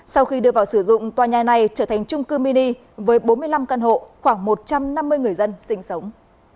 sau khi đưa vào sử dụng tòa nhà này trở thành trung cư mini với bốn mươi năm căn hộ khoảng một trăm năm mươi người dân sinh sống